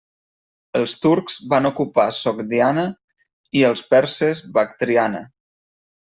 Els turcs van ocupar Sogdiana i els perses Bactriana.